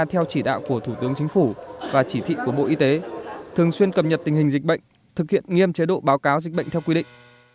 theo chỉ đạo của thủ tướng chính phủ và chỉ thị của bộ y tế thường xuyên cập nhật tình hình dịch bệnh thực hiện nghiêm chế độ báo cáo dịch bệnh theo quy định